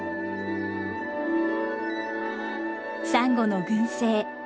サンゴの群生。